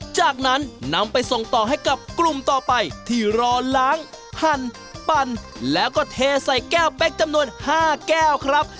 จากนั้นนำไปส่งต่อให้กับกลุ่มต่อไปที่รอล้างหั่นปั่นแล้วก็เทใส่แก้วเป๊กจำนวน๕แก้วครับ